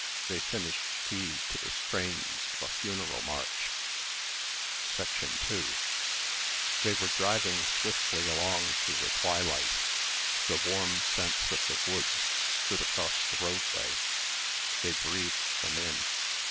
They finished tea to the strains of a funeral march. 2 They were driving swiftly along through the twilight. The warm scents of the woods stood across the roadway. They breathed them in.